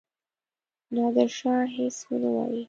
نادرشاه هیڅ ونه وايي.